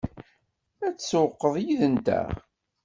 Ad tsewwqeḍ yid-nteɣ?